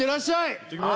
いってきます！